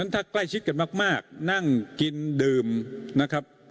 ถ้าใกล้ชิดกันมากนั่งกินดื่มนะครับ